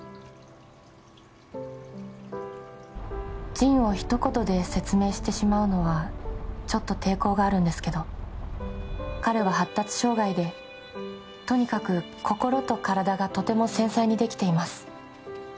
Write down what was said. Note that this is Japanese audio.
ジンを一言で説明してしまうのはちょっと抵抗があるんですけど彼は発達障がいでとにかく心と体がとても繊細にできています